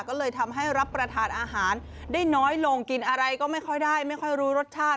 ก็เลยทำให้รับประทานอาหารได้น้อยลงกินอะไรก็ไม่ค่อยได้ไม่ค่อยรู้รสชาติ